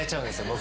僕。